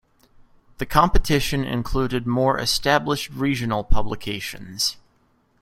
The competition included more established regional publications.